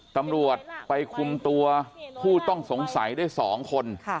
ตำรวจไปคุมตัวผู้ต้องสงสัยได้๒คน